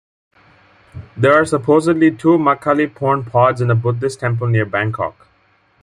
There are supposedly two Makaliporn pods in a Buddhist temple near Bangkok.